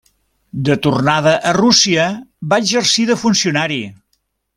De tornada a Rússia, va exercir de funcionari.